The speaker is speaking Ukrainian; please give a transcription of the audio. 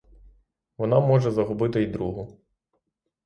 Вона може загубити й другу.